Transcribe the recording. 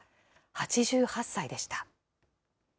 ８８歳でした。